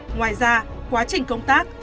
ngoài ra quá trình công tác